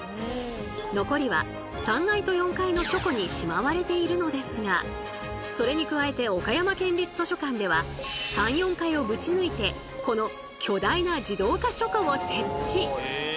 残りは３階と４階の書庫にしまわれているのですがそれに加えて岡山県立図書館では３４階をぶち抜いてこの巨大な自動化書庫を設置。